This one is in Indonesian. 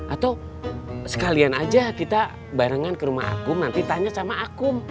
atau sekalian aja kita barengan ke rumah aku nanti tanya sama aku